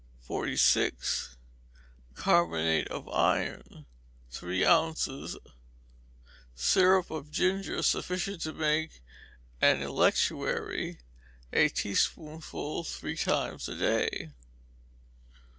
46. Carbonate of iron, three ounces; syrup of ginger, sufficient to make an electuary: a teaspoonful three times a day.